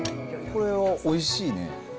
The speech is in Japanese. これはおいしいね。